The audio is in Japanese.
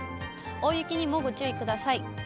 大雪にもご注意ください。